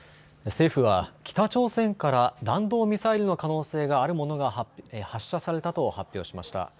政府は北朝鮮から弾道ミサイルの可能性があるものが発射されたと発表しました。